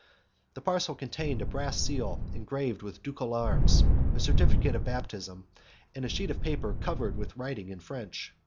The parcel contained a brass seal engraved with ducal arms, a certificate of baptism, and a sheet of paper covered with writing in French.